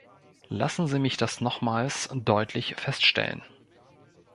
Lassen Sie mich das nochmals deutlich feststellen.